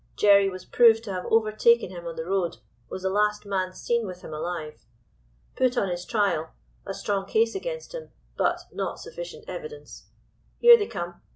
Jerry was proved to have overtaken him on the road; was the last man seen with him alive. Put on his trial—a strong case against him, but not sufficient evidence. Here they come.